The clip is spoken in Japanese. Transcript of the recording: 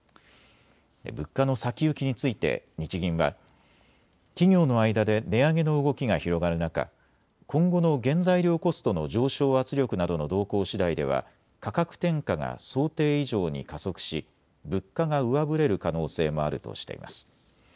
物価の先行きについて日銀は企業の間で値上げの動きが広がる中、今後の原材料コストの上昇圧力などの動向しだいでは価格転嫁が想定以上に加速し物価が上振れる可能性もあるとしています。